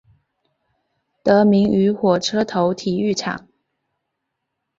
得名于火车头体育场。